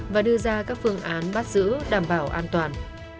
và đưa ra các phương án bắt giữ đảm bảo an toàn